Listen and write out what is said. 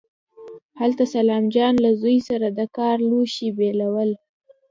هلته سلام جان له زوی سره د کار لوښي بېلول.